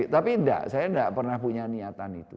tapi enggak saya tidak pernah punya niatan itu